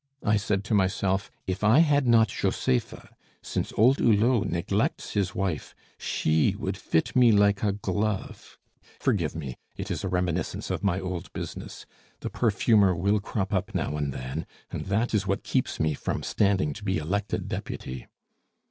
I said to myself, 'If I had not Josepha, since old Hulot neglects his wife, she would fit me like a glove.' Forgive me it is a reminiscence of my old business. The perfumer will crop up now and then, and that is what keeps me from standing to be elected deputy.